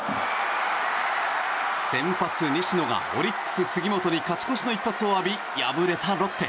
先発、西野がオリックス、杉本に勝ち越しの一発を浴び敗れたロッテ。